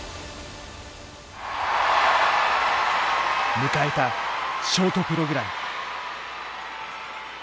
迎えたショートプログラム。